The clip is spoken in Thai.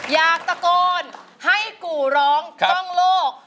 อยากตะโกนให้กูร้องต้องโลก